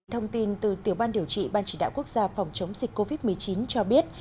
thông tin từ tiểu ban điều trị ban chỉ đạo quốc gia phòng chống dịch covid một mươi chín cho biết